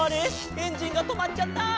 エンジンがとまっちゃった！」